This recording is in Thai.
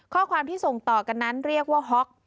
ข้อความที่ส่งต่อกันนั้นเรียกว่าฮ็อก